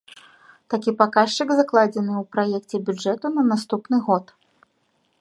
Такі паказчык закладзены ў праекце бюджэту на наступны год.